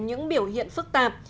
những biểu hiện phức tạp